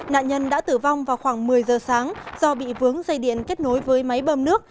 nạn nhân đã tử vong vào khoảng một mươi giờ sáng do bị vướng dây điện kết nối với máy bơm nước